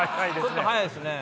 ちょっと早いですね。